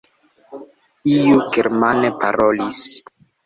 Iu germane parolis.